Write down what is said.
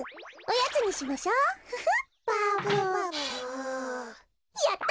やった！